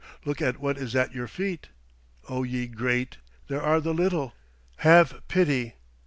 Look at what is at your feet. O ye great, there are the little. Have pity!